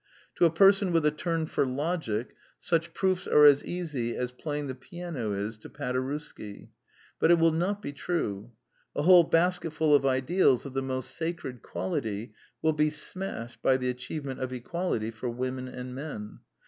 To a person with a turn for logic, such proofs are as easy as playing the piano is to Paderewski. But it will not be true. A whole basketful of ideals of the most sacred quality will be smashed by the achievement of equality for women and men.